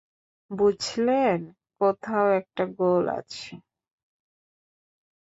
বুঝলেন, কোথাও একটা গোল আছে।